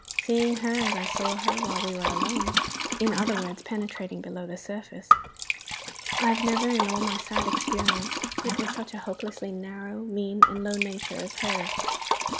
Seeing her as I saw her while we were alone in other words, penetrating below the surface I have never, in all my sad experience, met with such a hopelessly narrow, mean, and low nature as hers.